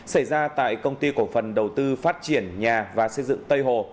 xảy ra tại công ty cổ phần đầu tư phát triển nhà và xây dựng tây hồ